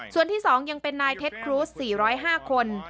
ส่วนที่๒ยังเป็นนายเท็จครูส๔๐๕คน